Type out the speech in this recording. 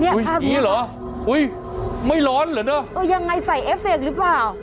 นี่ภาพนี้หรออุ๊ยไม่ร้อนเหรอเนี่ยอย่างไรใส่เอฟเฟคหรือเปล่า